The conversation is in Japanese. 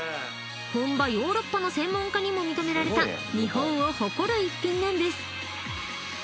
［本場ヨーロッパの専門家にも認められた日本を誇る一品なんです］